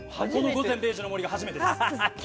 「午前０時の森」が初めてです。